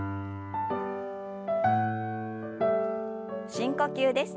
深呼吸です。